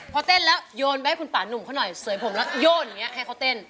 พอเต้นแล้วโยนไปให้คุณป่านุ่มเขาหน่อยเสยผมแล้วโยนอย่างนี้ให้เขาเต้น